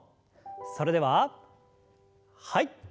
それでははい。